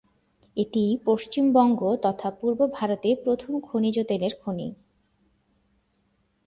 এটিই পশ্চিমবঙ্গ তথা পূর্ব ভারতে প্রথম খনিজ তেলের খনি।